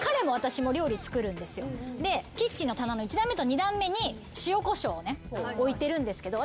どういうこと？でキッチンの棚の１段目と２段目に塩こしょうをね置いてるんですけど。